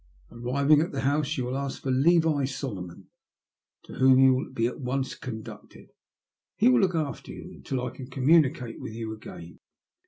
Arriving at the house, you will ask for Levi Solomon, to whom you will be at once conducted. He will look after you until I can communicate with you again.